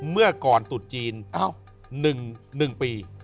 เมื่อก่อนตุดจีน๑ปี